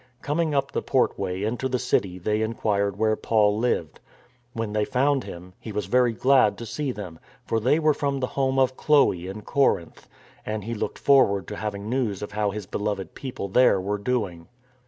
Coming up the portway into the city they inquired where Paul lived. When they found him, he was very glad to see them, for they were from the home of Chloe in Corinth, and he looked forward to having news of how his beloved people there were doing.